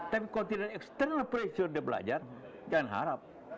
tapi kalau tidak external pressure dia belajar jangan harap